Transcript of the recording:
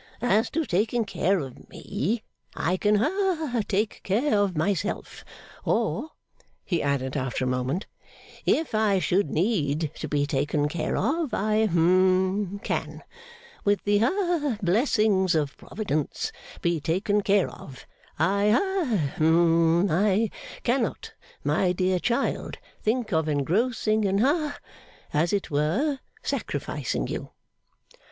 As to taking care of me; I can ha take care of myself. Or,' he added after a moment, 'if I should need to be taken care of, I hum can, with the ha blessing of Providence, be taken care of, I ha hum I cannot, my dear child, think of engrossing, and ha as it were, sacrificing you.